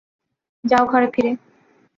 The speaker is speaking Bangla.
যাও ঘরে ফিরে।